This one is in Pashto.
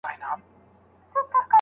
څېړونکی د خپل کار په اړه ډېر باوري دی.